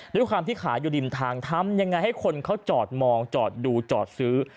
ด้วยความที่ขายอยู่ริมทางทำยังไงให้คนเขาจอดมองจอดดูจอดซื้อ